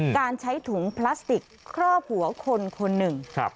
การใช้ถุงพลาสติกครอบหัวคนคนหนึ่ง